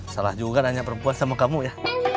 salah juga nanya perempuan sama kamu ya